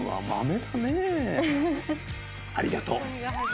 ありがとう。